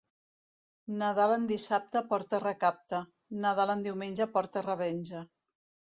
Nadal en dissabte porta recapte; Nadal en diumenge porta revenja.